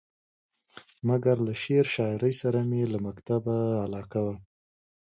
مګر له شعر شاعرۍ سره مې له مکتبه علاقه وه.